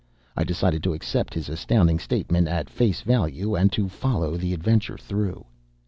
I decided to accept his astounding statement at face value and to follow the adventure through.